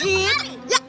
lah lagi begitu